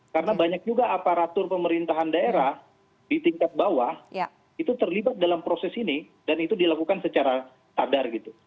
karena banyak juga aparatur pemerintahan daerah di tingkat bawah itu terlibat dalam proses ini dan itu dilakukan secara sadar gitu